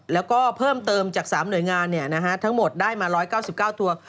แล้วก็เพิ่มเติมจาก๓หน่วยงานทั้งหมดได้มา๑๙๙ตัว